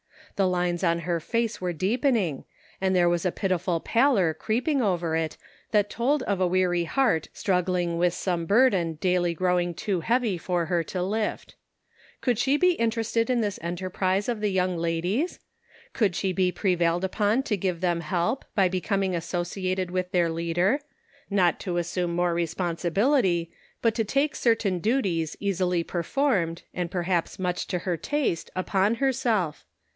The lines on her face were deepening, and there was a pitiful pallor creeping over it, that told of a weary heart struggling with some burden daily growing too heavy for her to lift. Could she be interested in this enterprise of the young ladies? Could she be prevailed upon to give them help, by becoming associated with their leader — not to assume more responsibility, but to take certain duties easily performed, and per haps much to her taste upon herself?